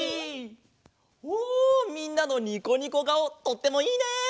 おみんなのにこにこがおとってもいいね！